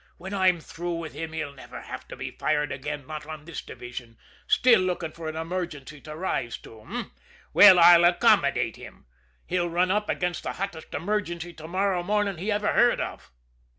"When I'm through with him he'll never have to be fired again not on this division. Still looking for an emergency to rise to, eh? Well, I'll accommodate him! He'll run up against the hottest emergency to morrow morning he ever heard of!"